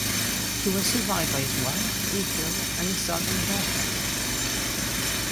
He was survived by his wife, Diethild, and a son and a daughter.